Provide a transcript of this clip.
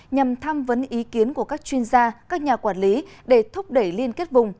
nhằm tham vấn ý kiến của các chuyên gia các nhà quản lý để thúc đẩy liên kết vùng